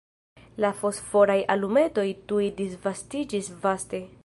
La fosforaj alumetoj tuj disvastiĝis vaste.